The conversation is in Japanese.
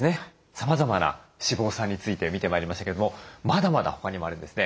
さまざまな脂肪酸について見てまいりましたけれどもまだまだ他にもあるんですね。